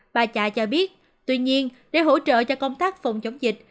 bà chạ cho biết tuy nhiên để hỗ trợ cho công tác phòng chống dịch